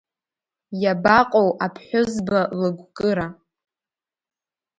Иабаҟоу аԥҳәызба лыгәкыра?